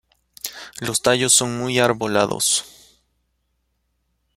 Los tallos son muy arbolados.